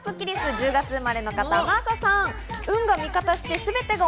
１０月生まれの方、真麻さん。